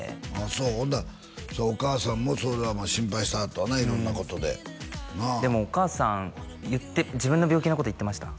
そうほんならお母さんもそれはまあ心配してはったわな色んなことででもお母さん自分の病気のこと言ってました？